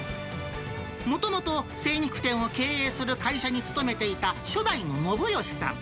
もともと精肉店を経営する会社に勤めていた初代の信義さん。